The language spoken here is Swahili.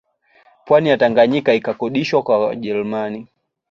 Pwani ya Tanganyika ikakodishwa kwa Wajerumani